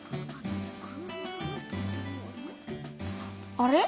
あれ？